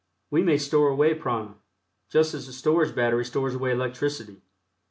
We may store away prana, just as the storage battery stores away electricity.